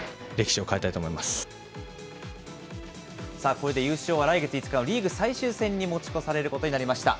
さあこれで優勝は来月５日のリーグ最終戦に持ち越されることになりました。